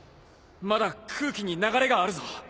まだ空気に流れがあるぞ。